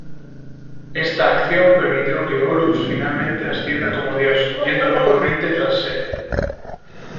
Esta acción permitió que Horus finalmente ascienda como dios, yendo nuevamente tras Set.